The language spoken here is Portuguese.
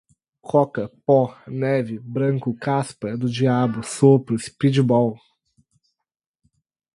coca, pó, neve, branco, caspa do diabo, sopro, speedball